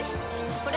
これ！